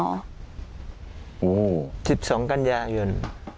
โอ้สิบสองกันยายน